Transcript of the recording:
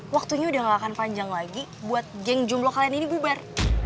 waktunya udah gak akan panjang lagi buat geng jumlo kalian ini bubar